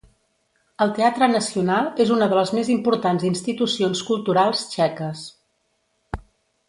El Teatre Nacional és una de les més importants institucions culturals txeques.